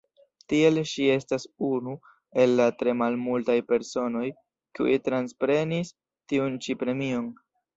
Tiel ŝi estas unu el la tre malmultaj personoj, kiuj transprenis tiun ĉi premion.